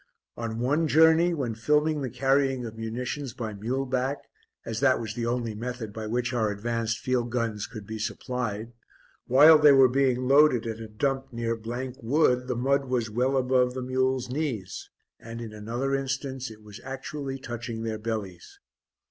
On one journey, when filming the carrying of munitions by mule back as that was the only method by which our advanced field guns could be supplied while they were being loaded at a dump near Wood, the mud was well above the mules' knees, and, in another instance, it was actually touching their bellies.